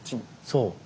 そう。